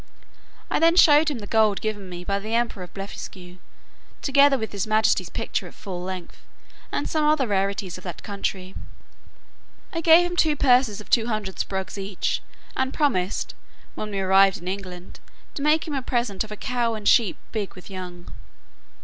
I then showed him the gold given me by the emperor of Blefuscu, together with his majesty's picture at full length, and some other rarities of that country. I gave him two purses of two hundreds sprugs each, and promised, when we arrived in England, to make him a present of a cow and a sheep big with young.